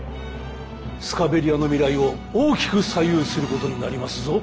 スカベリアの未来を大きく左右することになりますぞ。